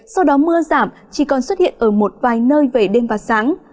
sau đó mưa giảm chỉ còn xuất hiện ở một vài nơi về đêm và sáng